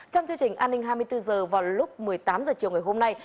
trong chương trình an ninh hai mươi bốn h vào lúc một mươi tám h chiều ngày hôm nay